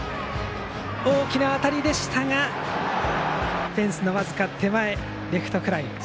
大きな当たりでしたがフェンスの僅か手前レフトフライ。